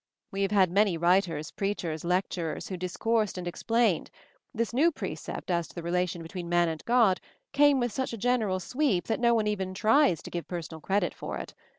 We have had many writers, preachers, lecturers, who discoursed and ex plained; this new precept as to the relation between man and God came with such a gen eral sweep that no one even tries to give per sonal credit for it.